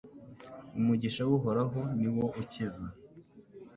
Umugisha w’Uhoraho ni wo ukiza